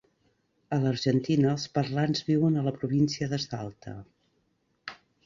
A l'Argentina els parlants viuen a la província de Salta.